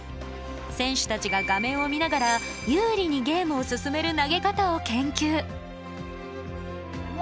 選手たちが画面を見ながら有利にゲームを進める投げ方を研究。